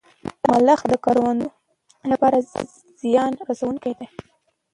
ملخ د کروندو لپاره زیان رسوونکی دی